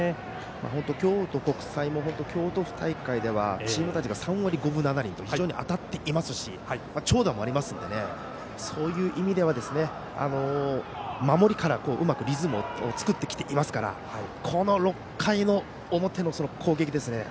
本当に京都国際も京都府大会ではチーム打率が３割５分７厘と非常に当たっていますし長打もありますのでそういう意味では守りからうまくリズムを作ってきていますからこの６回の表の攻撃ですね。